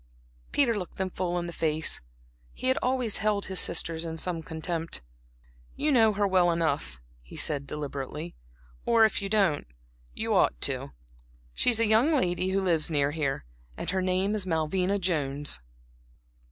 Peter looked them full in the face; he had always held his sisters in some contempt. "You know her well enough," he said, deliberately "or if you don't you ought to. She's a young lady who lives near here, and her name is Malvina Jones."